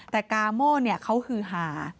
แต่กาโม่เขาฮือหา